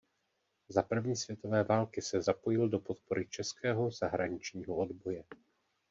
Za první světové války se zapojil do podpory českého zahraničního odboje.